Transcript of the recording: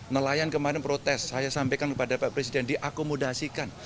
nelayan kemarin protes saya sampaikan kepada pak presiden diakomodasikan